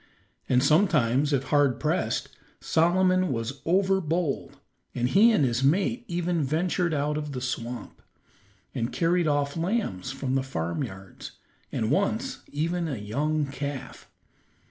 And sometimes, if hard pressed, Solomon was overbold, and he and his mate even ventured out of the swamp, and carried off lambs from the farmyards, and once even a young calf.